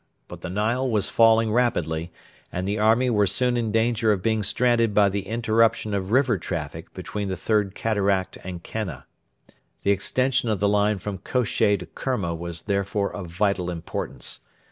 But the Nile was falling rapidly, and the army were soon in danger of being stranded by the interruption of river traffic between the Third Cataract and Kenna. The extension of the line from Kosheh to Kerma was therefore of vital importance.